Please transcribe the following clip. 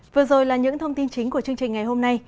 vừa rồi là những thông tin chính của chương trình ngày hôm nay